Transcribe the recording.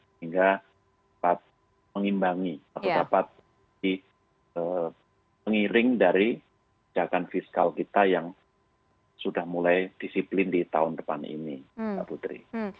sehingga dapat mengimbangi atau dapat di pengiring dari kebijakan fiskal kita yang sudah mulai disiplin di tahun depan ini mbak putri